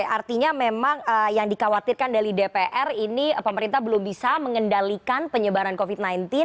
jadi artinya memang yang dikhawatirkan dari dpr ini pemerintah belum bisa mengendalikan penyebaran covid sembilan belas